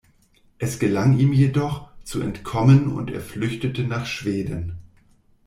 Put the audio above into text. Es gelang ihm jedoch, zu entkommen, und er flüchtete nach Schweden.